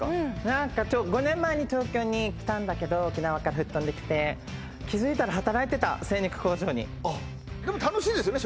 なんか５年前に東京に来たんだけど沖縄からふっとんできて気づいたら働いてた精肉工場にでも楽しいですよね